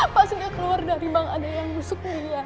pas dia keluar dari bang ada yang busuknya